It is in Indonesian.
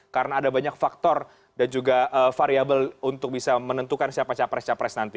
karena ada banyak faktor dan juga variable untuk bisa menentukan siapa capres capres nanti